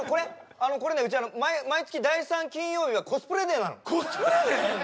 あのこれねうち毎月第３金曜日はコスプレデイなのコスプレデイ！？